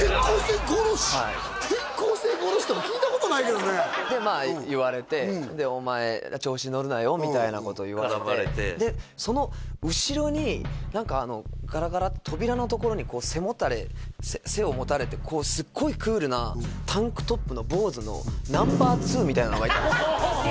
転校生殺しとか聞いたことないけどね言われてお前調子のるなよみたいなこと言われてその後ろにガラガラッて扉のところに背をもたれてすごいクールなタンクトップの坊主のナンバー２みたいなのがいたんですよ